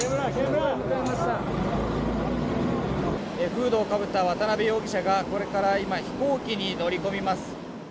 フードをかぶった渡辺容疑者が、これから飛行機に乗り込みます。